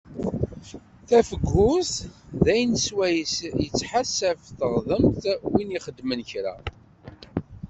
Tafgurt d ayen swayes tettḥasaf teɣdemt win ixedmen kra.